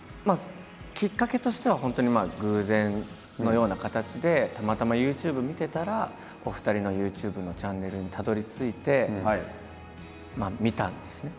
きっかけとしては本当に偶然のような形でたまたまＹｏｕＴｕｂｅ見てたらお二人のＹｏｕＴｕｂｅのチャンネルにたどりついて見たんですね。